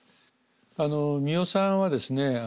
三代さんはですね